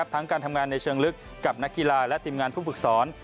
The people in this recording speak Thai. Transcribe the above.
ทั้งการทำงานในเชิงลึกกับนักกีฬาและทีมงานผู้ฝึกสอน